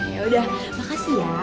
yaudah makasih ya